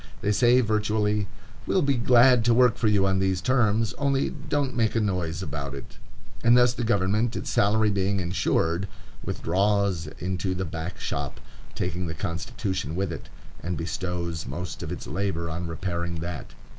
They say, virtually, "We'll be glad to work for you on these terms, only don't make a noise about it." And thus the government, its salary being insured, withdraws into the back shop, taking the Constitution with it, and bestows most of its labor on repairing that.